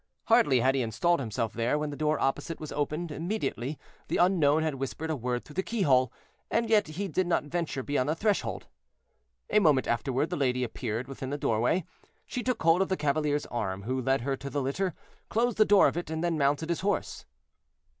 Hardly had he installed himself there, when the door opposite was opened immediately the unknown had whispered a word through the keyhole, and yet he did not venture beyond the threshold. A moment afterward the lady appeared within the doorway. She took hold of the cavalier's arm, who led her to the litter, closed the door of it, and then mounted his horse.